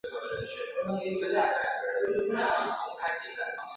但奈及利亚的政府官员则驳斥了当地官员的说法。